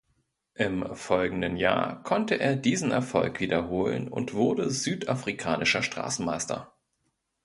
Im folgenden Jahr konnte er diesen Erfolg wiederholen und wurde südafrikanischer Straßenmeister.